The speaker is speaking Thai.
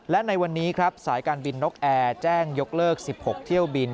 และในวันนี้ครับสายการบินนกแอร์แจ้งยกเลิก๑๖เที่ยวบิน